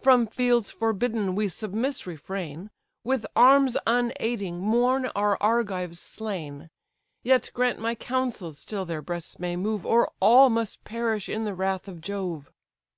From fields forbidden we submiss refrain, With arms unaiding mourn our Argives slain; Yet grant my counsels still their breasts may move, Or all must perish in the wrath of Jove."